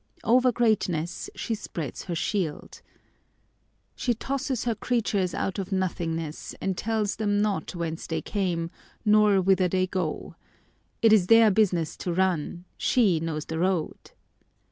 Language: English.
Over greatness she spreads her shield. She tosses her creatures out of nothingness, and tells them not whence they came, nor whither they go. It is their business to run, she knows the road.